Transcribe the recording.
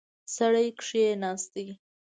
سړی کېناست.